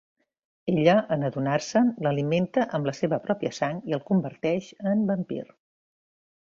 Ella, en adonar-se'n, l'alimenta amb la seva pròpia sang i el converteix en vampir.